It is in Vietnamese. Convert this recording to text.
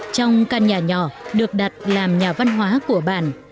trong căn nhà nhỏ được đặt làm nhà văn hóa của bản